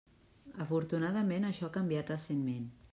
Afortunadament això ha canviat recentment.